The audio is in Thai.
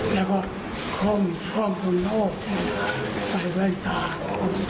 แล้วก็คล่อมคุณโอใส่แว่นตาพบทุกข์